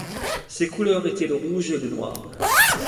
Ses couleurs étaient le rouge et le noir.